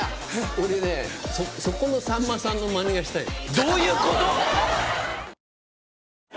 俺ねそこもさんまさんのマネがしたいの。